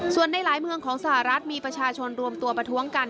ส่วนในหลายเมืองของสหรัฐมีประชาชนรวมตัวประท้วงกัน